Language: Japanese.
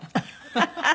ハハハ。